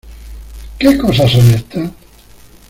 ¿Qué cosas son estas?